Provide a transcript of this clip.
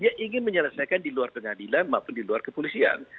dia ingin menyelesaikan di luar pengadilan maupun di luar kepolisian